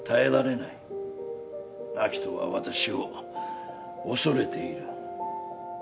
明人は私を恐れている。